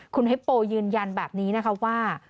คุณฮิปโปยืนยันแบบนี้ว่า